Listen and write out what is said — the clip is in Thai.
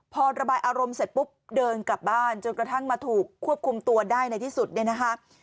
พอระบายอารมณ์เสร็จปุ๊บเดินกลับบ้านจนกระทั่งมาถูกควบคุมตัวได้ในที่สุดเนี่ยนะคะ